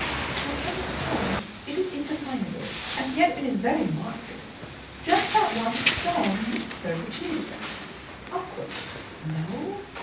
"I cannot tell; it is indefinable. And yet it is very marked. Just that want of style makes her peculiar." "Awkward?" "No."